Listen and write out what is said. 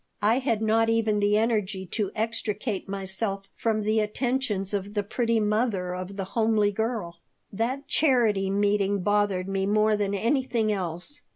I had not even the energy to extricate myself from the attentions of the pretty mother of the homely girl That charity meeting bothered me more than anything else.